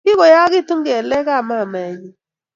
kigoyagiitu kelekab mamaenyi